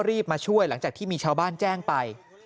มาช่วยหลังจากที่มีชาวบ้านแจ้งไป